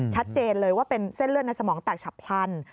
ชัดเจนเลยว่าเป็นเส้นเลือดในสมองแตกฉับพลัน